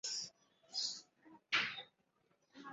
অন্য জন তার বাবা নোবেল পুরস্কার বিজয়ী পদার্থবিদ লুই আলভারেজ।